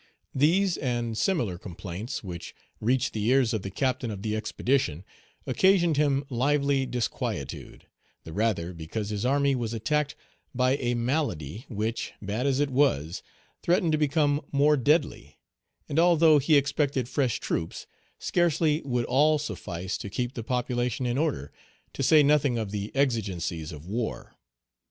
These, and similar complaints, which reached the ears of the captain of the expedition, occasioned him lively disquietude, the rather because his army was attacked by a malady which, bad as it was, threatened to become more deadly; and although he expected fresh troops, scarcely would all suffice to keep the population in order, to say nothing of the exigencies of war.